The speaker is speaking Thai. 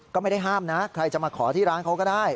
ก็ไม่ได้ห้ามนะใครจะมาขอที่ร้านเขาก็ได้